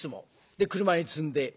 で車に積んで。